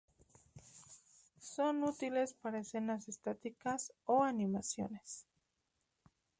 Son útiles para escenas estáticas o animaciones.